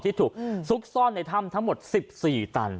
ที่ถูกซุกซ่อนในถ้ำทั้งหมด๑๔ตัน